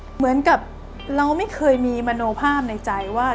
เหมือนกับเราไม่เคยมีมโนภาพในใจว่า